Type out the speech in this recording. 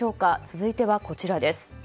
続いてはこちらです。